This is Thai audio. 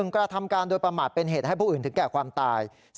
กระทำการโดยประมาทเป็นเหตุให้ผู้อื่นถึงแก่ความตาย